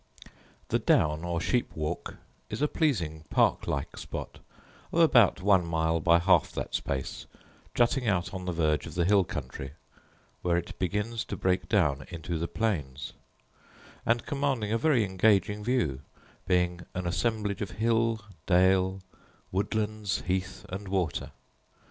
The down, or sheep walk, is a pleasing park like spot, of about one mile by half that space, jutting out on the verge of the hill country, where it begins to break down into the plains, and commanding a very engaging view, being an assemblage of hill, dale, wood lands, heath, and water.